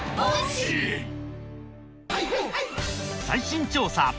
最新調査！